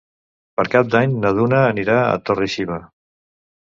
Per Cap d'Any na Duna anirà a Torre-xiva.